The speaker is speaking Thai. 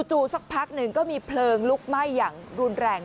สักพักหนึ่งก็มีเพลิงลุกไหม้อย่างรุนแรง